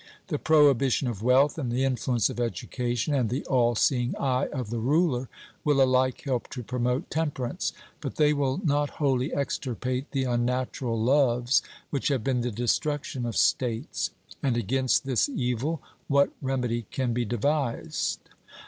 The prohibition of wealth, and the influence of education, and the all seeing eye of the ruler, will alike help to promote temperance; but they will not wholly extirpate the unnatural loves which have been the destruction of states; and against this evil what remedy can be devised?